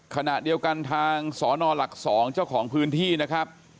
ขณะเดียวกันทางสนหลัก๒เจ้าของพื้นที่นะครับ